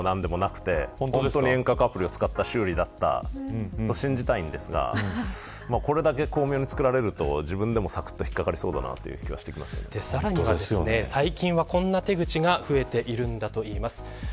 そのときは詐欺でも何でもなくて本当に遠隔アプリを使った修理だったと信じたいんですがこれだけ巧妙に作られると自分でもさくっとひっかかりそうさらに、最近はこんな手口が増えているんだといいます。